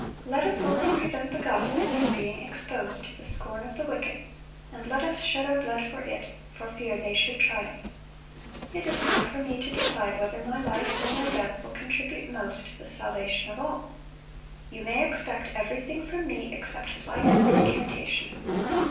Let us only prevent the gospel from being exposed to the scorn of the wicked, and let us shed our blood for it, for fear they should triumph. It is not for me to decide whether my life or my death will contribute most to the salvation of all.... You may expect everything from me ... except flight and recantation.